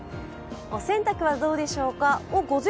お洗濯はどうでしょうか？